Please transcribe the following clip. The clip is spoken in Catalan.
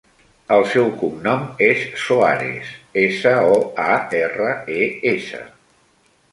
El seu cognom és Soares: essa, o, a, erra, e, essa.